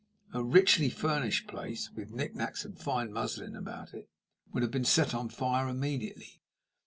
A richly furnished place, with knickknacks and fine muslin about it, would have been set on fire immediately.